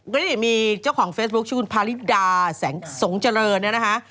นี่มีเจ้าของเฟซบุ๊คชื่อคุณพาริดาแสงสงเจริญเนี่ยนะคะ